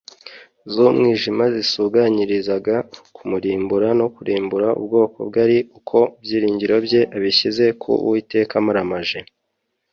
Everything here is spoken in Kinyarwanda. z'umwijima zisuganyirizaga kumurimbura no kurimbura ubwoko bwe ari uko ibyiringiro bye abishyize ku uwiteka amaramaje